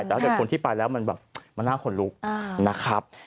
แต่ถ้าเกิดคนที่ไปแล้วมันแบบมันน่าขนลุกนะครับ